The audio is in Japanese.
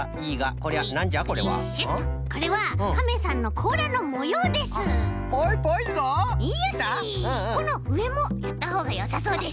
このうえもやったほうがよさそうです。